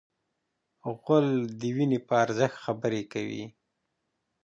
غول د وینې په ارزښت خبرې کوي.